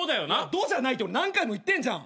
「怒」じゃないって俺何回も言ってんじゃん。